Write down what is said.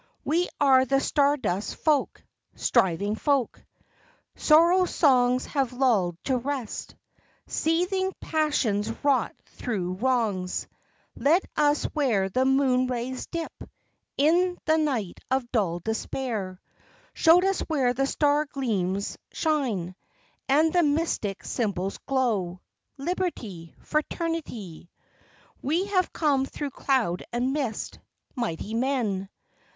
We are the star dust folk, Striving folk! Sorrow songs have lulled to rest; Seething passions wrought through wrongs, Led us where the moon rays dip In the night of dull despair, Showed us where the star gleams shine, And the mystic symbols glow Liberty! Fraternity! We have come through cloud and mist, Mighty men!